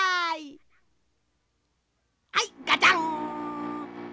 はいガチャン！